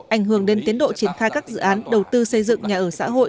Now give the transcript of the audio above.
ảnh hưởng đến tiến độ triển khai các dự án đầu tư xây dựng nhà ở xã hội